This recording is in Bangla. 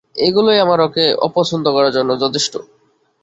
এগুলোই আমার ওকে অপছন্দ করার জন্য যথেষ্ট।